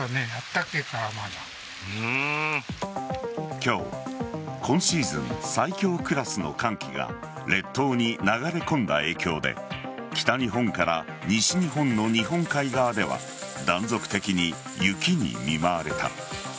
今日今シーズン最強クラスの寒気が列島に流れ込んだ影響で北日本から西日本の日本海側では断続的に雪に見舞われた。